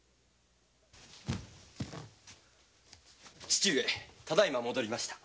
父上ただ今戻りました。